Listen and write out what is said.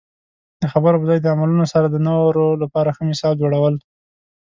د خبرو په ځای د عملونو سره د نورو لپاره ښه مثال جوړول.